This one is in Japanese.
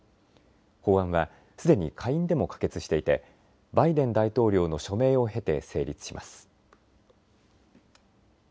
法案はすでに下院でも可決していてバイデン大統領の署名を経て成立します。